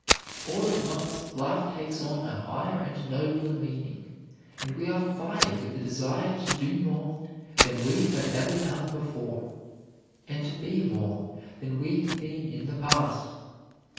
All at once life takes on a higher and nobler meaning, and we are fired with a desire to do more than we have ever before done, and to be more than we have been in the past.